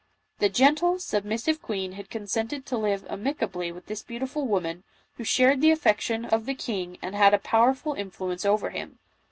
The gentle, submissive queen had consented to live amica bly with this beautiful woman, who shared the affec tions of the king and had a powerful influence over him.